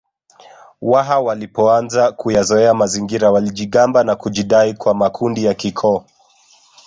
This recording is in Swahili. Waha walipoanza kuyazoea mazingira walijigamba na kujidai kwa makundi ya kikoo